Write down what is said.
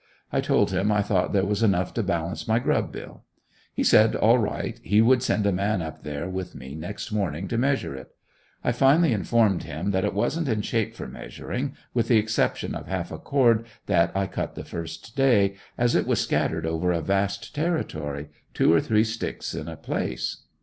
I told him I thought there was enough to balance my grub bill. He said all right, he would send a man up there with me next morning to measure it. I finally informed him that it wasn't in shape for measuring, with the exception of half a cord that I cut the first day, as it was scattered over a vast territory, two or three sticks in a place.